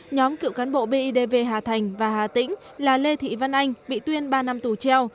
nhóm cựu cán bộ bidv hà thành và hà tĩnh là lê thị văn anh bị tuyên ba năm tù treo